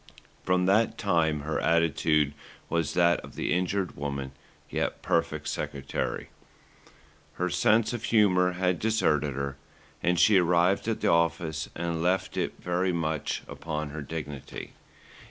From that time her attitude was that of the injured woman, yet perfect secretary. Her sense of humour had deserted her, and she arrived at the office and left it very much upon her dignity.